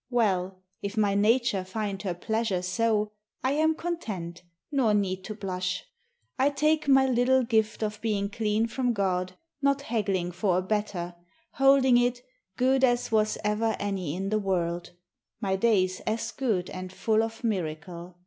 Well, if my nature find her pleasure so, I am content, nor need to blush ; I take 24 UNDER THE WILLOWS. My little gift of being clean from God, Not haggling for a better, holding it Good as was ever any in the world, My days as good and full of miracle.